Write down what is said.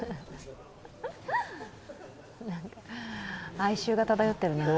哀愁が漂ってるなあ。